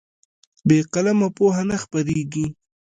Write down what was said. بې قلمه پوهه نه خپرېږي.